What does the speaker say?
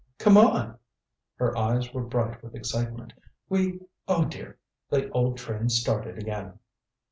"Come on!" Her eyes were bright with excitement. "We oh, dear the old train's started again."